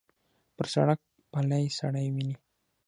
پر سړک پلی سړی وینې.